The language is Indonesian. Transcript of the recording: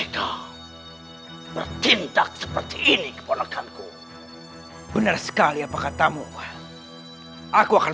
yang sudah menghasut warga warga pajajaran